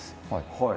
はい。